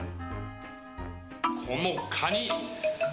このカニ。